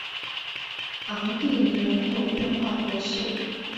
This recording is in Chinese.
昂蒂尼人口变化图示